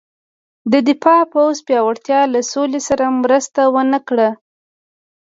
د دفاع پوځ پیاوړتیا له سولې سره مرسته ونه کړه.